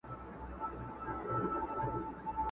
دلته دوه رنګي ده په دې ښار اعتبار مه کوه!!